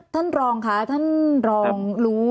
ท่านรองค่ะท่านรองรู้